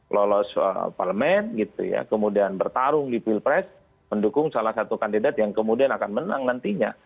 lolos parlemen gitu ya kemudian bertarung di pilpres mendukung salah satu kandidat yang kemudian akan menang nantinya